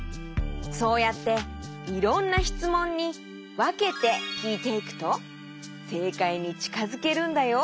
そうやっていろんなしつもんにわけてきいていくとせいかいにちかづけるんだよ。